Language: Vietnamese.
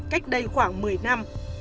cách đây khoảng một mươi năm